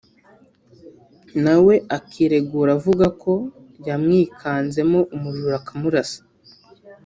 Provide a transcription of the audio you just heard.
naho we akiregura avuga ko yamwikanzemo umujura akamurasa